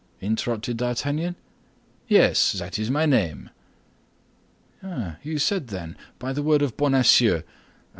interrupted D'Artagnan. "Yes, that is my name." "You said, then, by the word of Bonacieux.